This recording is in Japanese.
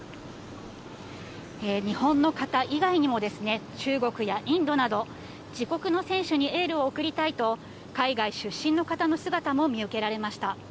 日本の方以外にも、中国やインドなど、自国の選手にエールを送りたいと、海外出身の方の姿も見受けられました。